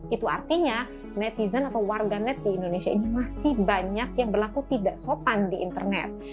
itu artinya netizen atau warga net di indonesia ini masih banyak yang berlaku tidak sopan di internet